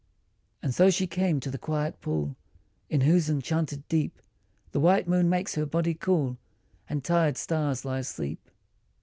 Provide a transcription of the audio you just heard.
And so she came to the quiet pool In whose enchanted deep The white moon makes her body cool And tired stars lie asleep.